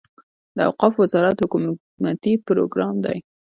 د اوقافو وزارت حکومتي پروګرام دی.